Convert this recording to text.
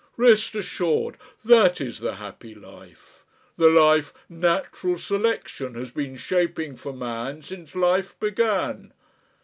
Rest assured that is the happy life; the life Natural Selection has been shaping for man since life began.